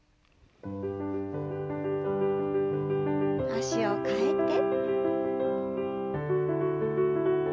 脚を替えて。